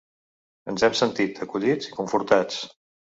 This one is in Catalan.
Ens hem sentit acollits i confortats.